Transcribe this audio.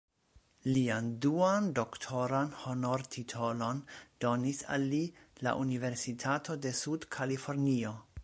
Lian duan doktoran honortitolon donis al li la Universitato de Sud-Kalifornio.